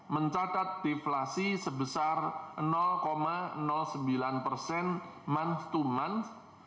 mencatat deflasi sebesar sembilan persen mont to month